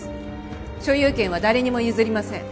所有権は誰にも譲りません。